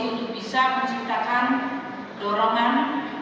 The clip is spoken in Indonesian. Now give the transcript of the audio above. untuk bisa menciptakan dorongan